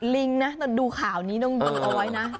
ลิงนะแต่ดูข่าวนี้ต้องดูเอาไว้นะ